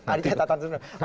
ada catatan semua